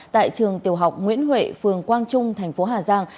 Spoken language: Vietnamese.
tại trường tiểu học nguyễn huệ phường quang trung thành phố hà giang